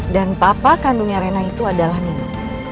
dan papa kandungnya rena itu adalah nino